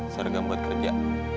seragam buat kerja